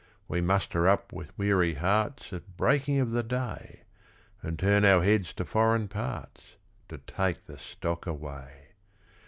We muster up with weary hearts At breaking of the day, And turn our heads to foreign parts, To take the stock away.